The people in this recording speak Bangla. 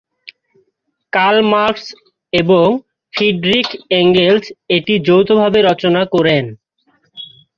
কার্ল মার্কস এবং ফ্রিডরিখ এঙ্গেলস এটি যৌথভাবে রচনা করেন।